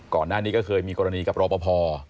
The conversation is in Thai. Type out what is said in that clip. ก่อนหน้านี้ก็เคยมีกรณีกับรอปภ